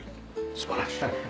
素晴らしい。